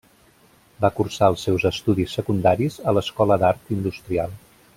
Va cursar els seus estudis secundaris a l'Escola d'Art Industrial.